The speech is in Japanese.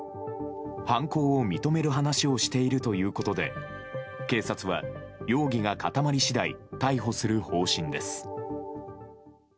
犯行を認める話をしているということで警察は、容疑が固まり次第逮捕する方針です。